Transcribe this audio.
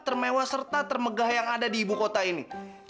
termewah serta termegah yang ada di ibukota ini